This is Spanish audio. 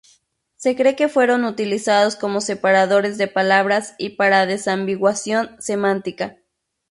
Se cree que fueron utilizados como separadores de palabras y para desambiguación semántica.